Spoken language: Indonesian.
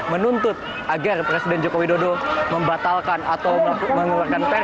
menuntut agar presiden joko widodo membatalkan atau mengeluarkan pers